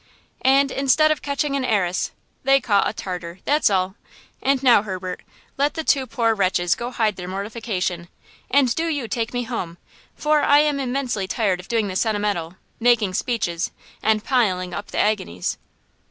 And instead of catching an heiress, they caught a Tartar, that's all! And now, Herbert, let the two poor wretches go hide their mortification, and do you take me home, for I am immensely tired of doing the sentimental, making speeches and piling up the agonies!"